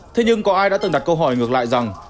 thế nhưng có ai đã từng đặt câu hỏi ngược lại rằng